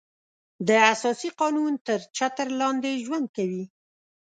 د اساسي قانون تر چتر لاندې ژوند کوي.